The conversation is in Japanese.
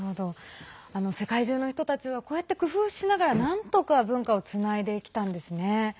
世界中の人たちはこうやって工夫しながらなんとか文化をつないできたんですね。